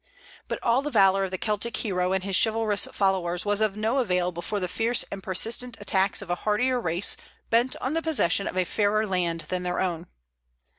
But all the valor of the Celtic hero and his chivalrous followers was of no avail before the fierce and persistent attacks of a hardier race, bent on the possession of a fairer land than their own.